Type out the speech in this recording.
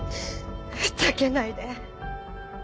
ふざけないで。